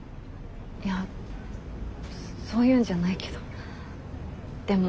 いやそういうんじゃないけどでも。